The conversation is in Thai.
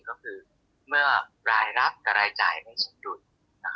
ก็คือเมื่อรายรับก็รายจ่ายไม่ศึกรุ่น